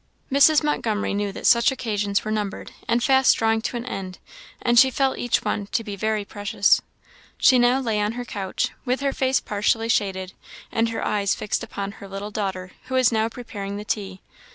Mrs. Montgomery knew that such occasions were numbered, and fast drawing to an end, and she felt each one to be very precious. She now lay on her couch, with her face partially shaded, and her eyes fixed upon her little daughter, who was now preparing the tea.